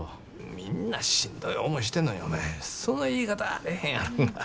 みんなしんどい思いしてんのにお前その言い方はあれへんやろが。